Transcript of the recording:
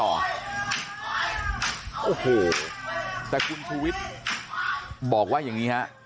โอ้โหแต่คุณชูวิทย์บอกว่าอย่างนี้ฮะ